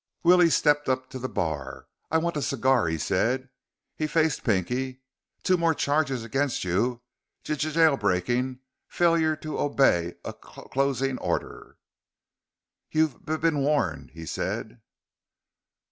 Willie stepped up to the bar. "I want a cigar," he said. He faced Pinky. "Two more charges against you. J jailbreaking. Failure to obey a c c closing order." "You b been warned," he said.